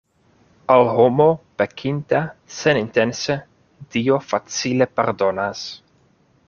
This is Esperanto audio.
Al homo, pekinta senintence, Dio facile pardonas.